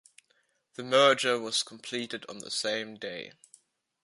The merger was completed on that same day.